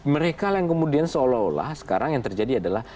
mereka yang kemudian seolah olah sekarang yang terjadi adalah